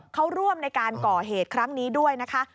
เขาร่วมในการก่อเหตุครั้งนี้ด้วยนะคะ